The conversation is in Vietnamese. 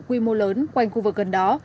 quy mô lớn quanh khu vực gần đó